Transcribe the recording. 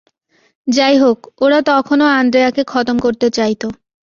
যাইহোক, ওরা তখনও আন্দ্রেয়াকে খতম করতে চাইতো।